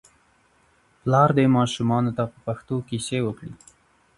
پلار دې ماشومانو ته په پښتو کیسې وکړي.